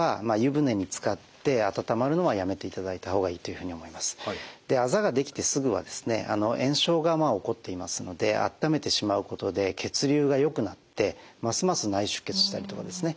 冷やす処置をしている中で基本的にはですねあざができてすぐはですね炎症が起こっていますので温めてしまうことで血流がよくなってますます内出血したりとかですね